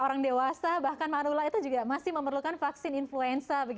orang dewasa bahkan manula itu juga masih memerlukan vaksin influenza